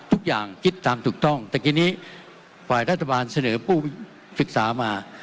คิดตามถูกต้องแต่ทีนี้ฝ่ายรัฐบาลเสนอผู้ศึกษามา